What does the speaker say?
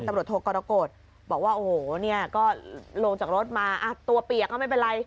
บอกว่าโหเนี่ยก็ลงจากรถมาตัวเปียกก็ไม่เป็นไร